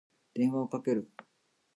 電話をかける。